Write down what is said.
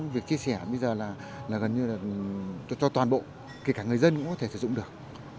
việc chia sẻ bây giờ là gần như là cho toàn bộ kể cả người dân cũng có thể sử dụng được